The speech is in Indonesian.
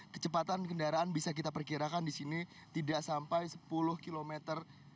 kecepatan kendaraan bisa kita perkirakan di sini tidak sampai sepuluh km